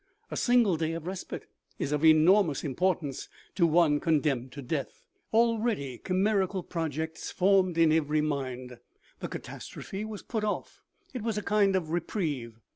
A single day of respite is of enormous importance to one condemned to death. Already chimer ical projects formed in even mind ; the catastrophe was put off ; it was a kind of reprieve.